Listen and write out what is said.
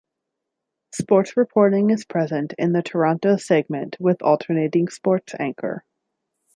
Sports reporting is present in the Toronto segment with alternating sports anchor.